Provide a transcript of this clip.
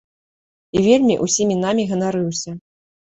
І вельмі ўсімі намі ганарыўся.